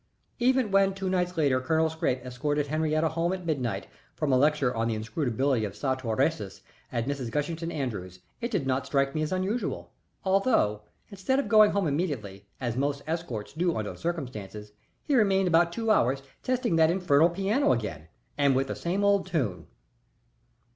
Even when two nights later Colonel Scrappe escorted Henriette home at midnight from a lecture on the Inscrutability of Sartor Resartus at Mrs. Gushington Andrews's it did not strike me as unusual, although, instead of going home immediately, as most escorts do under the circumstances, he remained about two hours testing that infernal piano again, and with the same old tune.